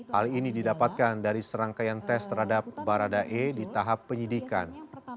hal ini didapatkan dari serangkaian tes terhadap baradae di tahap penyidikan